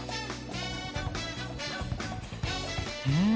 うん。